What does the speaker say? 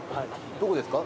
どこですか？